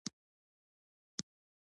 هغه باید له دننه دا خبره احساس کړي.